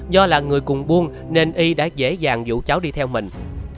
do là người cùng buông nên y đã dễ dàng dụ cháu đi theo mình